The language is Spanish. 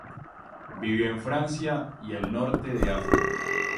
Vivió en Francia y el Norte de África.